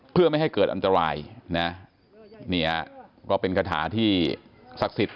เพื่อไม่ให้เกิดอันตรายนะเนี่ยก็เป็นคาถาที่ศักดิ์สิทธิ